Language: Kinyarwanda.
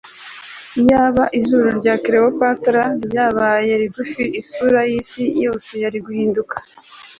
Iyaba izuru rya Cleopatra ryabaye rigufi isura yisi yose yari guhinduka